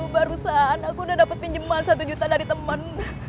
barusan aku udah dapet pinjeman satu juta dari temen